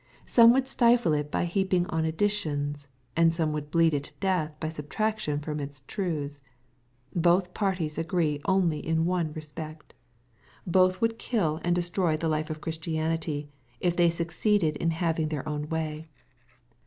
Some would stifle it by heaping on additions, and some would bleed it to death by subtraction from its truths. Both parties agree only in one respect. Both would kill and destroy 192 EXPOSITOBT THOUGHTS. the life of Christianity^ if they succeeded in having theii own way.